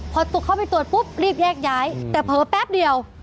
พอเข้าไปตรวจปุ๊บรีบแยกย้ายแต่เผลอแป๊บเดียว